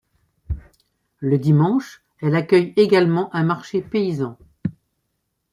Le dimanche, elle accueille également un marché paysan.